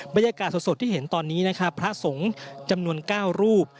บรรยากาศสดที่เห็นตอนนี้นะครับพระสงฆ์จำนวน๙รูป